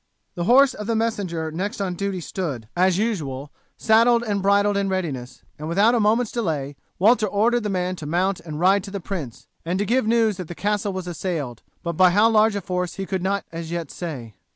The horse of the messenger next on duty stood, as usual, saddled and bridled in readiness, and without a moment's delay Walter ordered the man to mount and ride to the prince, and to give news that the castle was assailed, but by how large a force he could not as yet say.